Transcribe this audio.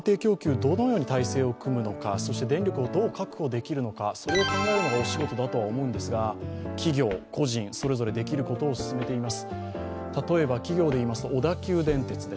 どのように体制を組むのかそして電力をどう確保できるのか、それを考えるのがお仕事だと思うのですが、企業、個人、それぞれできることを進めています。